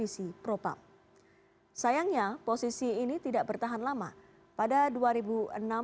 ia diangkat sebagai inspektur jeneral dan menjadikannya polisi termuda yang menjadikannya polisi termuda yang menjadikannya polisi termuda